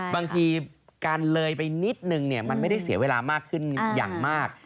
บางทีการเลยไปนิดนึงมันไม่ได้เสียเวลามากขึ้นอย่างมาก